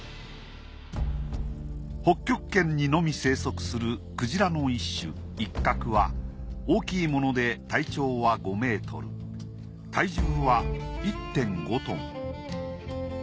北極圏にのみ生息するクジラの一種イッカクは大きいもので体長は５メートル体重は１．５トン。